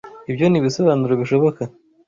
Ibyo nibisobanuro bishoboka.